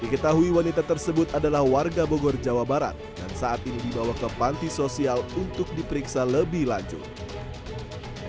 diketahui wanita tersebut adalah warga bogor jawa barat dan saat ini dibawa ke panti sosial untuk diperiksa lebih lanjut